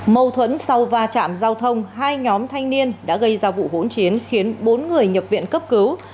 mâu thuẫn sau va chạm giao thông hai nhóm thanh niên đã gây ra vụ hỗn chiến khiến bốn người nhập viện cấp cứu